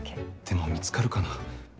でも見つかるかな。